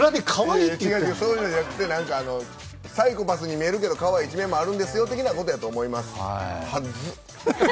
いやいや、そういうのじゃなくてサイコパスに見えるけどかわいい一面もあるということだと思います。